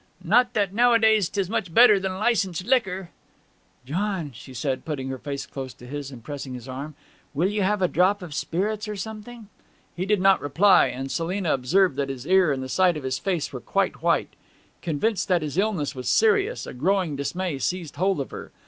'Not that nowadays 'tis much better than licensed liquor.' 'John,' she said, putting her face close to his and pressing his arm. 'Will you have a drop of spirits or something?' He did not reply, and Selina observed that his ear and the side of his face were quite white. Convinced that his illness was serious, a growing dismay seized hold of her.